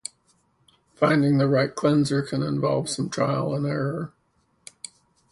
Finding the right cleanser can involve some trial-and-error.